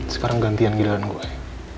sekarang gantian giliran gue